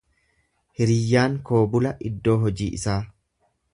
Hiriyyaan koo bula iddoo hojii isaa.